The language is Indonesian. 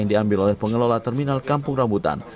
yang diambil oleh pengelola terminal kampung rambutan